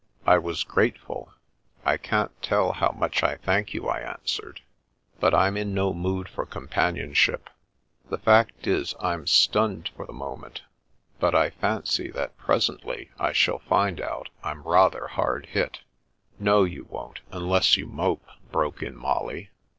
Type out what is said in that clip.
I was grateful. " I can't tell how much I thank you," I answered. " But I'm in no mood for com panionship. The fact is, I'm stunned for the mo ment, but I fancy that presently I shall find out I'm rather hard hit." " No, you won't, unless you mope," broke in Molly.